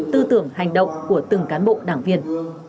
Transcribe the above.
tư tưởng hành động của từng cán bộ đảng viên